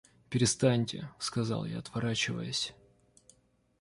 — Перестаньте, — сказал я, отворачиваясь.